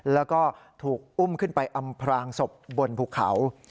แล้วก็ถูกอุ้มขึ้นไปอำพรางศพบนภูเขา